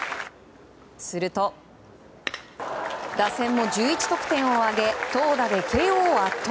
すると、打線も１１得点を挙げ投打で慶応を圧倒。